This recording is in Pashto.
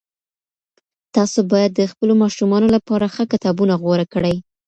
تاسو بايد د خپلو ماشومانو لپاره ښه کتابونه غوره کړئ.